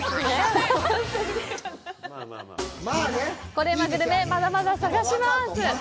コレうまグルメ、まだまだ探します！